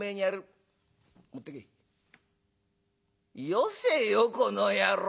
「よせよこの野郎。